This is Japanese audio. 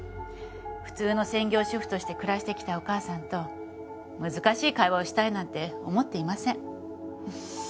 普通の専業主婦として暮らしてきたお義母さんと難しい会話をしたいなんて思っていません。